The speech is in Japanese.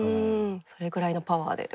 それぐらいのパワーででも。